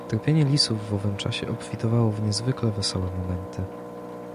"Tropienie lisów w owym czasie obfitowało w niezwykle wesołe momenty."